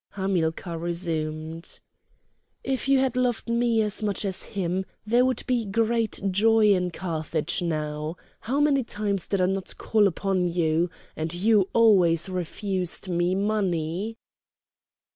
Hamilcar resumed: "If you had loved me as much as him there would be great joy in Carthage now! How many times did I not call upon you! and you always refused me money!"